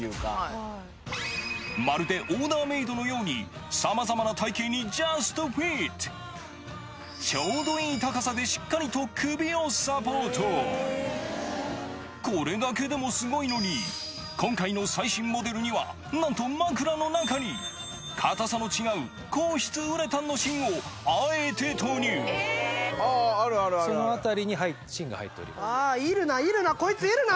まるでオーダーメイドのようにさまざまな体形にジャストフィットしっかりとこれだけでもすごいのに今回のなんと枕の中に硬さの違う硬質ウレタンの芯をあえて投入その辺りに芯が入っております。